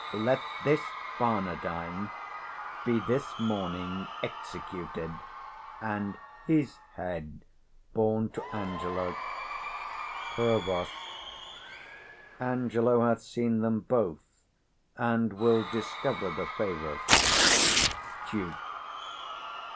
Let this Barnardine be this morning executed, and his head borne to Angelo. Prov. Angelo hath seen them both, and will discover the favour. 165 _Duke.